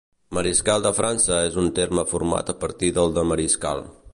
Mariscal de França és un terme format a partir del de mariscal.